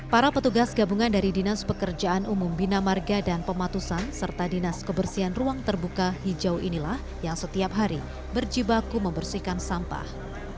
para petugas gabungan dari dinas pekerjaan umum bina marga dan pematusan serta dinas kebersihan ruang terbuka hijau inilah yang setiap hari berjibaku membersihkan sampah